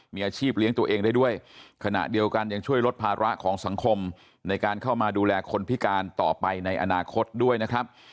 มีอาชีพเลี้ยงตัวเองได้ด้วยขณะเดียวกันยังช่วยลดภาระของสังคมในการเข้ามาดูแลคนพิการต่อไปในอนาคตด้วยนะครับ